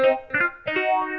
nah ini p jewel